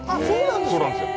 そうなんですか？